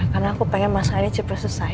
karena aku pengen mas angga cepat selesai